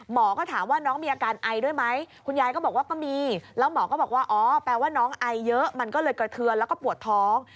หมอก็ถามว่าน้องมีอาการไอด้วยไหมคุณยายก็บอกว่าก็มีแล้วหมอก็บอกว่าอ๋อแปลว่าน้องไอเยอะมันก็เลยกระเทือนแล้วก็ปวดท้อง